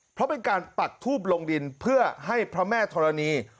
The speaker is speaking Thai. เพราะเป็นการปักทูบลงดินเพื่อให้พระแม่ธรณี